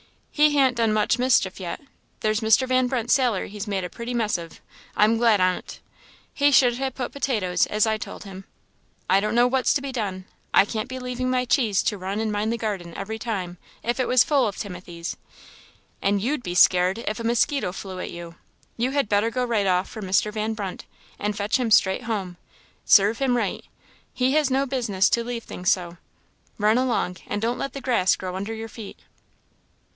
He han't done much mischief yet there's Mr. Van Brunt's salary he's made a pretty mess of I'm glad on't! He should ha' put potatoes, as I told him. I don't know what's to be done I can't be leaving my cheese to run and mind the garden every minute, if it was full of Timothys; and you'd be scared if a mosquito flew at you; you had better go right off for Mr. Van Brunt, and fetch him straight home serve him right! he has no business to leave things so. Run along, and don't let the grass grow under your feet!"